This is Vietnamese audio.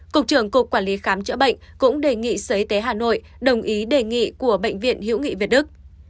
cục trưởng cục quản lý khám chữa bệnh cũng đề nghị sở y tế hà nội đồng ý đề nghị của bệnh viện hiễu nghị việt đức